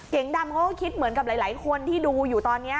ดำเขาก็คิดเหมือนกับหลายคนที่ดูอยู่ตอนนี้